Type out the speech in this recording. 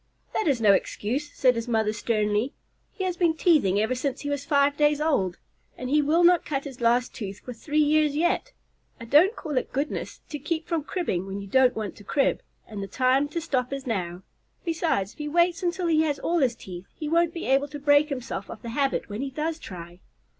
"That is no excuse," said his mother sternly. "He has been teething ever since he was five days old, and he will not cut his last tooth for three years yet. I don't call it goodness to keep from cribbing when you don't want to crib, and the time to stop is now. Besides, if he waits until he has all his teeth, he won't be able to break himself of the habit when he does try."